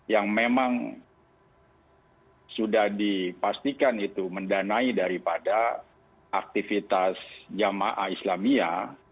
yang memang sudah dipastikan itu mendanai daripada aktivitas jamaah islamia